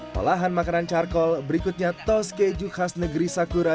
pelahan makanan charcoal berikutnya tos keju khas negeri sakura